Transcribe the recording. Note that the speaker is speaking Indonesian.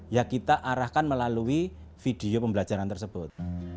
ya kita arahkan melalui video pembelajaran tersebut